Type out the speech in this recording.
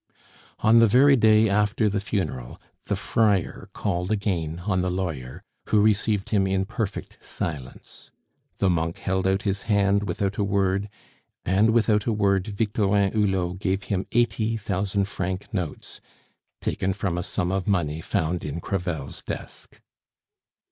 On the very day after the funeral, the friar called again on the lawyer, who received him in perfect silence. The monk held out his hand without a word, and without a word Victorin Hulot gave him eighty thousand franc notes, taken from a sum of money found in Crevel's desk.